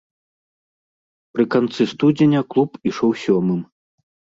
Пры канцы студзеня клуб ішоў сёмым.